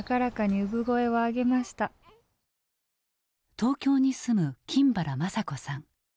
東京に住む金原まさ子さん。